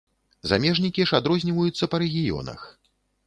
Замежнікі ж адрозніваюцца па рэгіёнах.